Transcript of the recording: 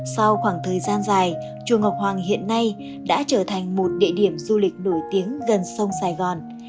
sau khoảng thời gian dài chùa ngọc hoàng hiện nay đã trở thành một địa điểm du lịch nổi tiếng gần sông sài gòn